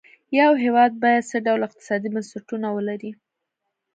یو هېواد باید څه ډول اقتصادي بنسټونه ولري.